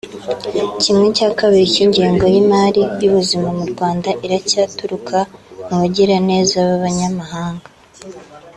Kimwe cya kabiri cy’ingengo y’imari y’ubuzima mu Rwanda iracyaturuka mu bagiraneza b’abanyamahanga